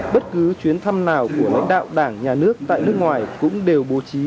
bất cứ chuyến thăm nào của lãnh đạo đảng nhà nước tại nước ngoài cũng đều bố trí